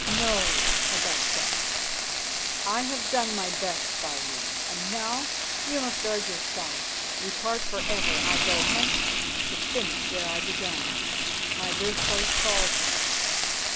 "No, Augusta. I have done my best by you, and now you must guard yourself. We part for ever. I go hence to finish where I began. My birthplace calls me."